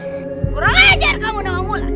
kurang ajar kamu nongol